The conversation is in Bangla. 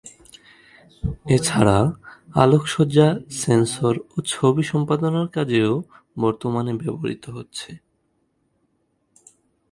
এছাড়া আলোকসজ্জা, সেন্সর ও ছবি সম্পাদনার কাজেও বর্তমানে ব্যবহৃত হচ্ছে।